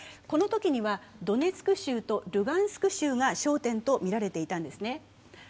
このときにはドネツク州とルガンスク州が焦点と見られていたんですね。